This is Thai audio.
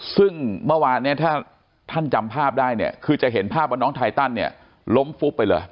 ซึ่งเมื่อวานเนี่ยถ้าท่านจำภาพได้เนี่ยคือจะเห็นภาพว่าน้องไทตันเนี่ยล้มฟุบไปเลย